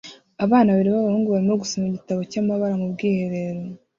Abana babiri b'abahungu barimo gusoma igitabo cy'amabara mu bwiherero